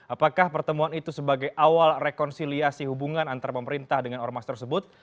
apakah pertemuan itu sebagai awal rekonsiliasi hubungan antara pemerintah dengan ormas tersebut